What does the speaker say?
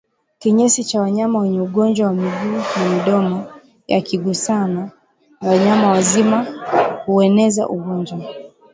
Kinyesi cha wanyama wenye ugonjwa wa miguu na midomo yakigusana na wanyama wazima hueneza ugonjwa